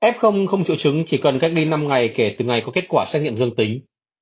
f không triệu chứng chỉ cần cách đây năm ngày kể từ ngày có kết quả xét nghiệm dương tính